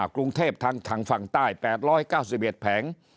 กรุงเทพทางฝั่งใต้๘๙๑แผง